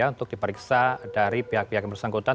untuk diperiksa dari pihak pihak yang bersangkutan